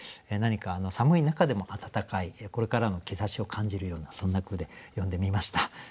何か寒い中でも暖かいこれからの兆しを感じるようなそんな句で詠んでみました。